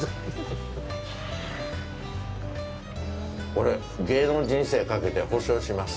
俺、芸能人生懸けて保障します。